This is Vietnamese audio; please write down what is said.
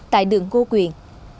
tại đường cô quyền